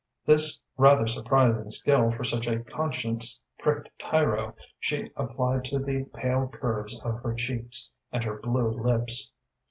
This, with rather surprising skill for such a conscience pricked tyro, she applied to the pale curves of her cheeks and her blue lips.